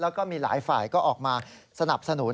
แล้วก็มีหลายฝ่ายก็ออกมาสนับสนุน